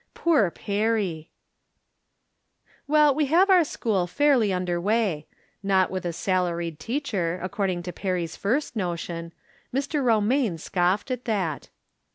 Poor Perry ! Well, we have our school fairly under way ; not with a salaried teacher, according to Perry's first notion. Mr. Romaine scoffed at that.